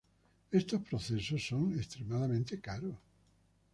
Estos procesos son extremadamente caros.